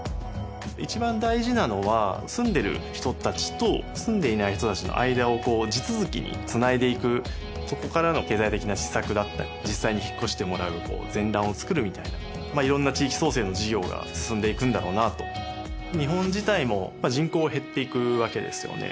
一番大事なのは住んでる人達と住んでいない人達の間を地続きにつないでいくそこからの経済的な施策だったり実際に引っ越してもらう前段を作るみたいないろんな地域創生の事業が進んでいくんだろうなと日本自体も人口減っていくわけですよね